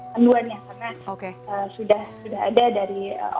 karena sudah ada dari oktober sampai september